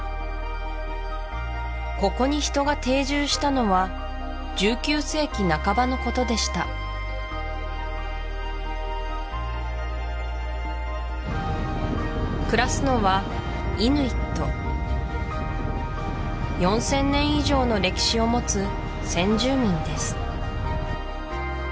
ここに人が定住したのは１９世紀半ばのことでした暮らすのはイヌイット４０００年以上の歴史を持つ先住民です